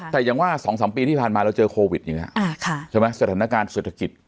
แต่ยังว่า๒๓ปีที่ผ่านมาเราเจอโควิดอย่างนี้ใช่ไหมสถานการณ์เศรษฐกิจ